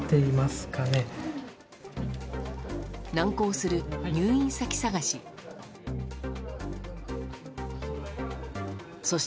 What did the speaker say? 難航する入院先探し。